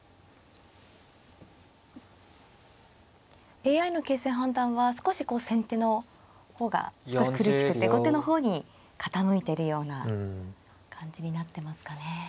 ＡＩの形勢判断は少しこう先手の方が少し苦しくて後手の方に傾いているような感じになってますかね。